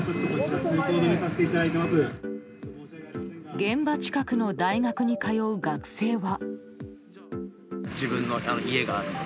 現場近くの大学に通う学生は。